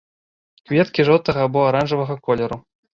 Кветкі жоўтага або аранжавага колеру.